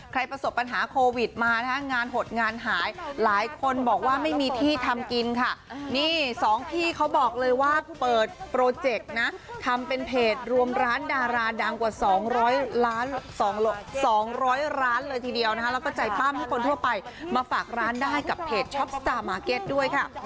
ประสบปัญหาโควิดมานะฮะงานหดงานหายหลายคนบอกว่าไม่มีที่ทำกินค่ะนี่สองพี่เขาบอกเลยว่าเปิดโปรเจกต์นะทำเป็นเพจรวมร้านดาราดังกว่า๒๐๐ร้านเลยทีเดียวนะคะแล้วก็ใจปั้มให้คนทั่วไปมาฝากร้านได้กับเพจช็อปสตาร์มาร์เก็ตด้วยค่ะ